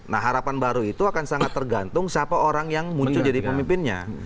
nah harapan baru itu akan sangat tergantung siapa orang yang muncul jadi pemimpinnya